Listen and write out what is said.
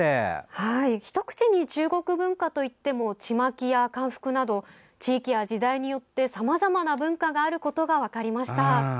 ひと口に中国文化といってもちまきに漢服など時代によってさまざまな文化があることが分かりました。